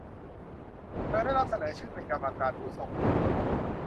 เธอได้รับเสนอชื่อเป็นกรรมการผู้ทรงคุณวุฒิ